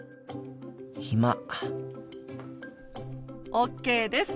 ＯＫです。